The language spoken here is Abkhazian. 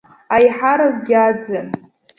Аиҳаракгьы аӡын.